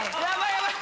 ヤバい！